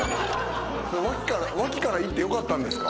脇から行ってよかったんですか？